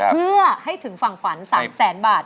เพื่อให้ถึงฝั่งฝัน๓แสนบาท